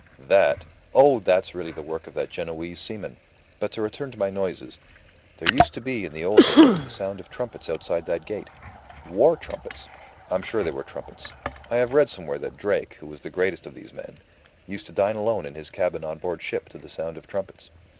that! oh, that's really the work of that Genoese seaman! But to return to my noises; there used to be in the old days the sound of trumpets outside that gate. War trumpets! I'm sure they were trumpets. I have read somewhere that Drake, who was the greatest of these men, used to dine alone in his cabin on board ship to the sound of trumpets.